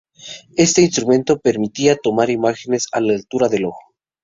Este instrumento permitía tomar imágenes a la altura del ojo.